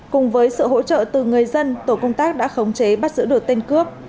cùng với sự hỗ trợ từ người dân tổ công tác đã khống chế bắt giữ được tên cướp